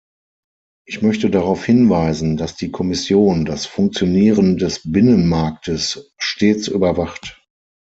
Ich möchte darauf hinweisen, dass die Kommission das Funktionieren des Binnenmarktes stets überwacht.